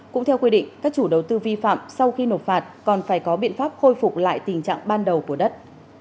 cũng theo quy định các chủ đầu tư vi phạm sau khi nộp phạt còn phải có biện pháp khôi phục lại tình trạng ban đầu của đất